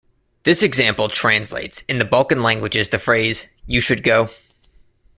This example translates in the Balkan languages the phrase You should go!